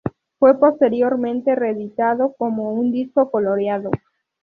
Fue posteriormente reeditado como un disco coloreado.